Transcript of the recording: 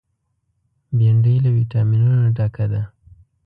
بېنډۍ له ویټامینونو ډکه ده